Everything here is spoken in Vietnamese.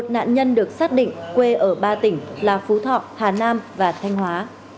một nạn nhân được xác định quê ở ba tỉnh là phú thọ hà nam và thanh hóa